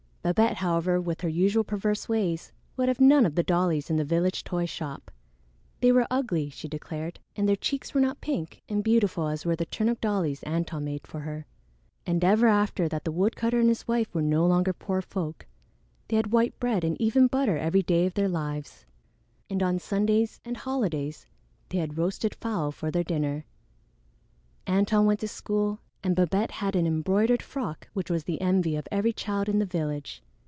Babette, however, with her usual perverse ways, would have none of the dollies in the village toy shop. They were ugly, she declared, and their cheeks were not pink and beautiful as were the turnip dollies Antone made for her. And ever after that the woodcutter and his wife were no longer poor folk. They had white bread and even butter every day of their lives, and on Sundays and holidays they had roasted fowl for their dinner. Antone went to school, and Babette had an embroidered frock which was the envy of every child in the village.